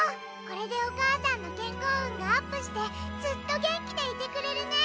これでおかあさんのけんこううんがアップしてずっとげんきでいてくれるね。